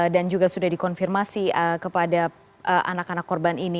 dan juga sudah dikonfirmasi kepada anak anak korban ini